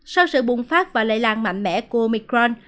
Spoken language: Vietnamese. sau sự bùng phát và lây lan mạnh mẽ của micron